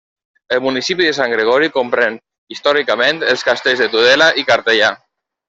El municipi de Sant Gregori comprèn, històricament, els castells de Tudela i Cartellà.